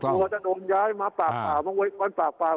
หรือว่าจะโดนย้ายมาปากป่าวมันปากป่าว